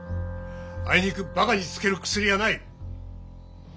あいにくバカにつける薬はない。